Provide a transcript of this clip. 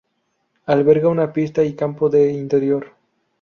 Alberga una pista y campo de interior.